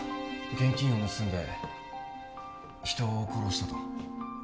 現金を盗んで人を殺したと。